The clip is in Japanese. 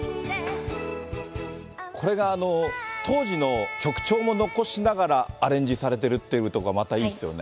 これが当時の曲調も残しながらアレンジされてるってところがまたいいですよね。